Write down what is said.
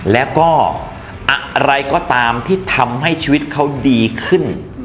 แล้วก็อะไรก็ตามที่ทำให้ชีวิตเขาดีขึ้น